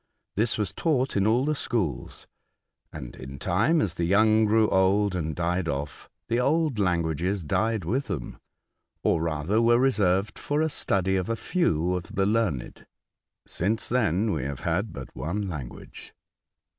This was taught in all the schools, and in time, as the young grew old and died off, the old languages died with them, or rather were reserved for a study of a few of the learned. Since then we have had but one language."